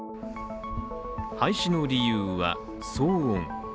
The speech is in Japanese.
廃止の理由は、騒音。